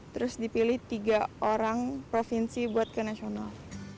terus dipilih tiga orang provinsi buat ke nasional